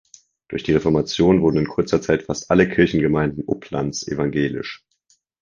Durch die Reformation wurden in kurzer Zeit fast alle Kirchengemeinden Upplands evangelisch.